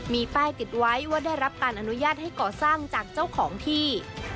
มีป้ายติดไว้ว่าได้รับการอนุญาตให้ก่อสร้างจากเจ้าของที่